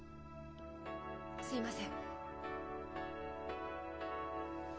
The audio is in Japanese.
すいません。